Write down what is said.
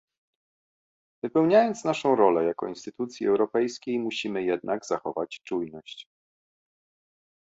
Wypełniając naszą rolę jako instytucji europejskiej musimy jednak zachować czujność